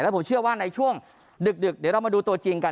ผมเชื่อว่าในช่วงดึกเดี๋ยวเรามาดูตัวจริงกัน